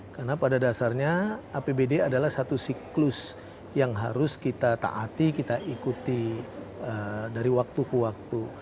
karena pada dasarnya apbd adalah satu siklus yang harus kita taati kita ikuti dari waktu ke waktu